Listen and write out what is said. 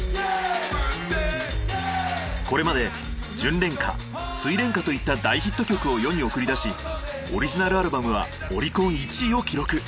これまで『純恋歌』『睡蓮花』といった大ヒット曲を世に送り出しオリジナルアルバムはオリコン１位を記録。